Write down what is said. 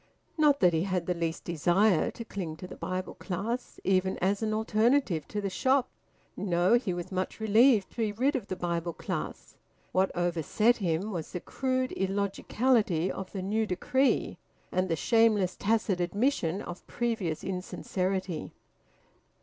Not that he had the least desire to cling to the Bible class, even as an alternative to the shop! No! He was much relieved to be rid of the Bible class. What overset him was the crude illogicality of the new decree, and the shameless tacit admission of previous insincerity.